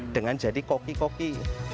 dengan jadi koki koki